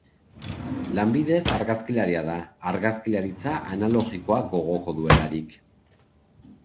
Lanbidez argazkilaria da, argazkilaritza analogikoa gogoko duelarik.